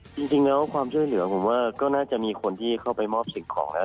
จริงแล้วความช่วยเหลือผมว่าก็น่าจะมีคนที่เข้าไปมอบสิ่งของแล้ว